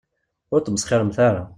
Ur tmesxiremt ara.